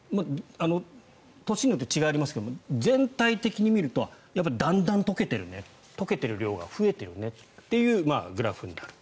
年によって違いがありますが全体的に見るとだんだん解けてるね解けてる量が増えてるねってグラフになる。